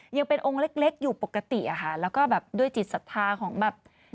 ยังเป็นองค์เล็กเล็กอยู่ปกติอะค่ะแล้วก็แบบด้วยจิตศรัทธาของแบบ